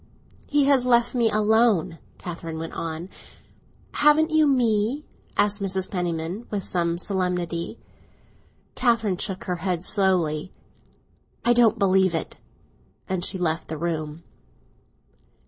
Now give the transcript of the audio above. "He has left me alone," Catherine went on. "Haven't you me?" asked Mrs. Penniman, with much expression. Catherine shook her head slowly. "I don't believe it!" and she left the room.